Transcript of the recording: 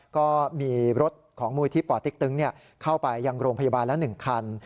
ก็มีรถของมูลที่ป่อเต็กตึงเข้าไปยังโรงพยาบาลละ๑คัน